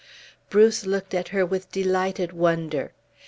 Bruce looked at her with delighted wonder.